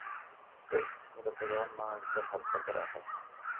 এহ, নিরপরাধ মানুষদের হত্যা করা হয়।